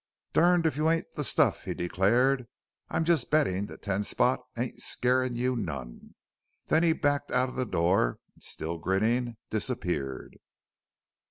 "Durned if you ain't the stuff!" he declared. "I'm just bettin' that Ten Spot ain't scarin' you none!" Then he backed out of the door and still grinning, disappeared.